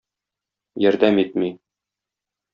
Ярдәм итми.